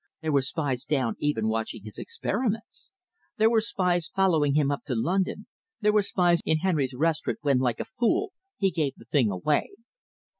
There were spies down even watching his experiments. There were spies following him up to London, there were spies in Henry's Restaurant when like a fool he gave the thing away.